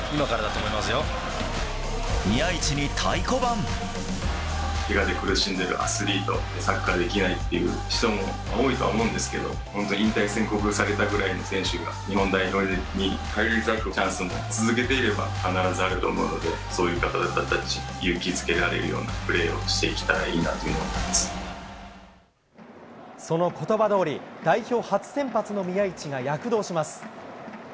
けがで苦しんでいるアスリート、サッカーできないっていう人も多いとは思うんですけれども、本当、引退宣告されたぐらいの選手が、日本代表に返り咲くチャンスも、続けていれば必ずあると思うので、そういう方たちを勇気づけられるようなプレーをしていけたらいいそのことばどおり、代表初先発の宮市が躍動します。